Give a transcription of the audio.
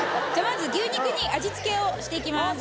まず牛肉に味付けをして行きます。